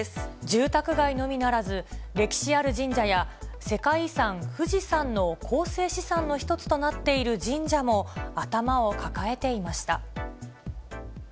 住宅街のみならず、歴史ある神社や、世界遺産、富士山の構成資産の一つとなっている神社も、頭を抱えていました。